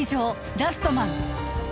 「ラストマン」